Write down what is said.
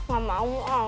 gak mau ah